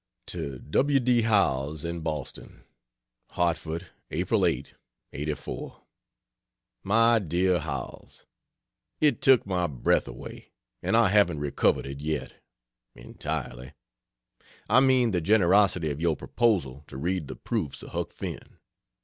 To W. D. Howells, in Boston: HARTFORD, Apl 8, '84. MY DEAR HOWELLS, It took my breath away, and I haven't recovered it yet, entirely I mean the generosity of your proposal to read the proofs of Huck Finn.